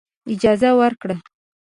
اجازه ورکړه.